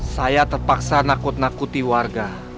saya terpaksa nakut nakuti warga